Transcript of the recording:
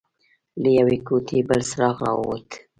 له يوې کوټې بل څراغ راووت.